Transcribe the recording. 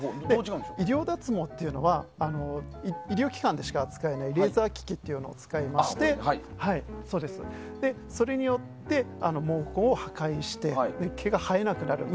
医療脱毛っていうのは医療機関でしか扱えないレーザー機器というものを使いましてそれによって毛根を破壊して毛が生えなくなる